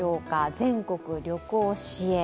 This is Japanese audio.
全国旅行支援。